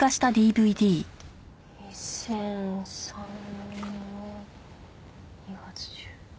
２００３年２月。